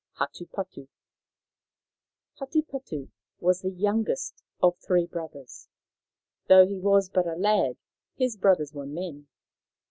HATUPATU Hatupatu was the youngest of three brothers. Though he was but a lad, his brothers were men.